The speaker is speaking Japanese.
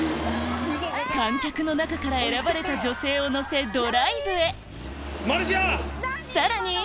観客の中から選ばれた女性を乗せドライブへさらに